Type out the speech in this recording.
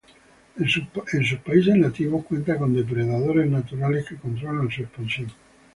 En sus países nativos cuenta con depredadores naturales que controlan su expansión.